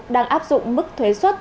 đang áp dụng mức thuế xuất